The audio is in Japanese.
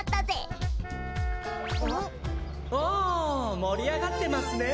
おおもりあがってますね！